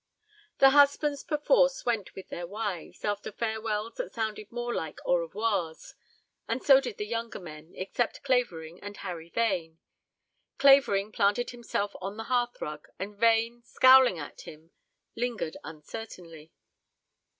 The husbands perforce went with their wives, after farewells that sounded more like au revoirs, and so did the younger men, except Clavering and Harry Vane. Clavering planted himself on the hearthrug, and Vane, scowling at him, lingered uncertainly.